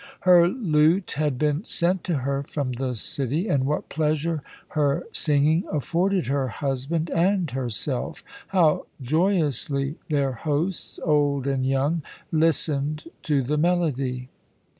Her lute had been sent to her from the city, and what pleasure her singing afforded her husband and herself; how joyously their hosts, old and young, listened to the melody!